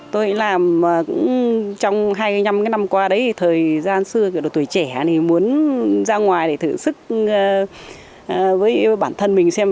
tôi làm trong hai năm năm qua đấy thì thời gian xưa tuổi trẻ thì muốn ra ngoài để thử sức với bản thân mình xem